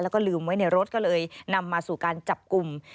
แล้วก็ลืมไว้ในรถก็เลยนำมาสู่การจับกลุ่ม